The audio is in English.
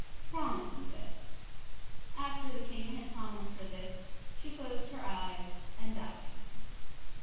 Promise me this.' After the King had promised her this, she closed her eyes and died.